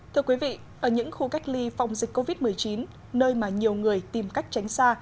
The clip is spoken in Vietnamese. thưa quý vị ở những khu cách ly phòng dịch covid một mươi chín nơi mà nhiều người tìm cách tránh xa